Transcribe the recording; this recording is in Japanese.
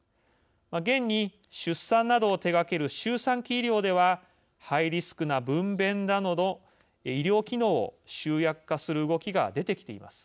現に、出産などを手がける周産期医療ではハイリスクな分べんなどの医療機能を集約化する動きが出てきています。